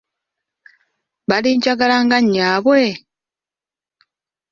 Balinjagala nga nnyaabwe?